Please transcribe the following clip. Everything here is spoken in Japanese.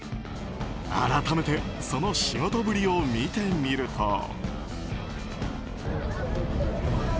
改めてその仕事ぶりを見てみると。